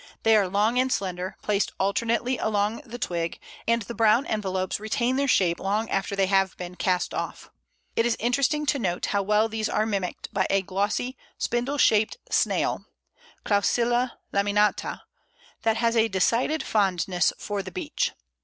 They are long and slender, placed alternately along the twig, and the brown envelopes retain their shape long after they have been cast off. It is interesting to note how well these are mimicked by a glossy spindle shaped snail (Clausilia laminata) that has a decided fondness for the Beech.